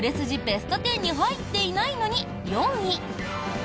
ベスト１０に入っていないのに、４位。